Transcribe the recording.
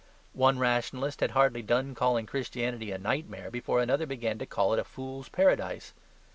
One rationalist had hardly done calling Christianity a nightmare before another began to call it a fool's paradise.